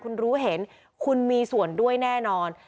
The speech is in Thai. คุณรู้เห็นคุณมีส่วนด้วยแน่นอน